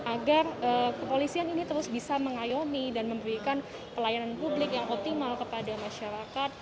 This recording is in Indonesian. agar kepolisian ini terus bisa mengayomi dan memberikan pelayanan publik yang optimal kepada masyarakat